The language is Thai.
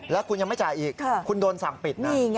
แล้วคุณยังไม่จ่ายอีกคุณโดนสั่งปิดนะ